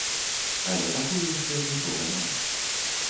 Але пакуль яшчэ нічога няма.